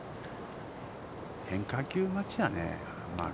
変化球待ちやね。